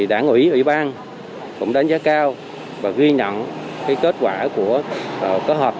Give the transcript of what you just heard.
đảng ủy ủy ban cũng đánh giá cao và ghi nhận kết quả của kết hợp